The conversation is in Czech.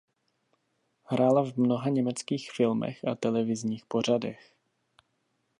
Hrála v mnoha německých filmech a televizních pořadech.